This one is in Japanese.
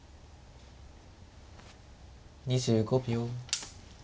２５秒。